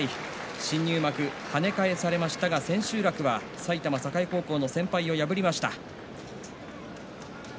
新入幕、跳ね返されましたが最終日は埼玉栄高校の先輩を破りました。